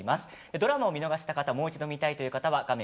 ドラマを見逃した方もう一度、見たいという方画面